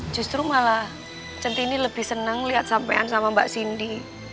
justru malah cintin lebih senang liat sampean sama mbak sinti